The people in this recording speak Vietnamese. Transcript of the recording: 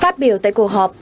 phát biểu tại cuộc họp